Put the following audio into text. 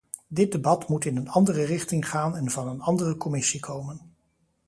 Dit debat moet in een andere richting gaan en van een andere commissie komen.